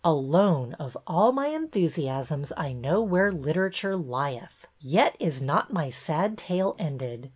Alone of all my en thusiasms I know where literature lieth. Yet is not my sad tale ended.